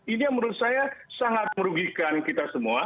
ini yang menurut saya sangat merugikan kita semua